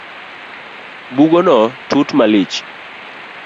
Bugono tut malich